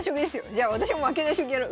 じゃあ私も負けない将棋やろ。